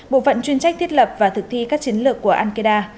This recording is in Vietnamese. bộ phận chuyên trách thiết lập và thực thi các chiến lược của al qaeda